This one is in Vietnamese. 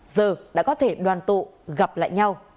giờ đã có thể đoàn tụ gặp lại nhau